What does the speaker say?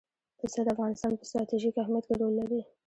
پسه د افغانستان په ستراتیژیک اهمیت کې رول لري.